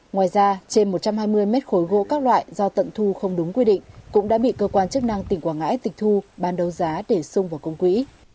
ngoài ra trên một trăm hai mươi mét khối gỗ các loại do tận thu không đúng quy định cũng đã bị cơ quan chức năng tỉnh quảng ngãi tịch thu ban đầu giá để xung vào công quỹ